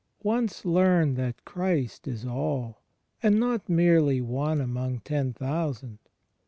Once learn that Christ is All, and not merely one among ten thousand — that is, * Ps.